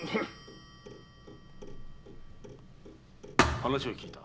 話は聞いた。